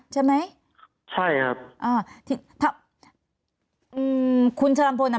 ใช่ไหมใช่ครับอ่าทีถ้าอืมคุณชะลำพลอ่ะ